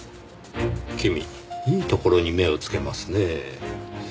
君いいところに目をつけますねぇ。